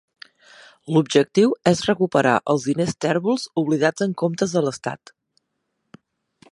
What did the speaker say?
L'objectiu és recuperar els diners tèrbols oblidats en comptes de l'Estat.